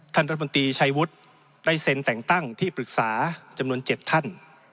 ท่านรัฐมนตรีชัยวุฒิได้เซ็นแต่งตั้งที่ปรึกษาจำนวน๗ท่าน